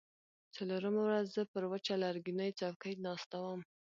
څلورمه ورځ زه پر وچه لرګینۍ څوکۍ ناسته وم.